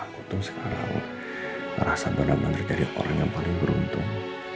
aku tuh sekarang merasa benar benar jadi orang yang paling beruntung